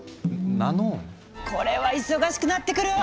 これは忙しくなってくるわ。